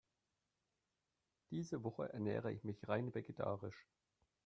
Diese Woche ernähre ich mich rein vegetarisch.